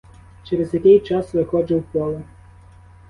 Через який час виходжу в поле.